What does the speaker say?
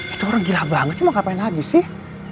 itu orang gila banget sih mau ngapain lagi sih